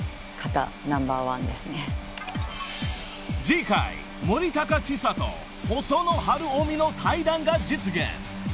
［次回森高千里細野晴臣の対談が実現］